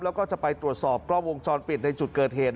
แล้วก็จะไปตรวจสอบกล้องวงจรปิดในจุดเกิดเหตุ